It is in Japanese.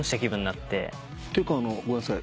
っていうかごめんなさい。